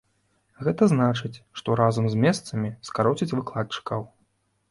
Гэта значыць, што разам з месцамі скароцяць выкладчыкаў.